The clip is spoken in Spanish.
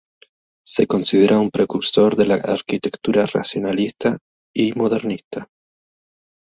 Se considera un precursor de la arquitectura racionalista y modernista.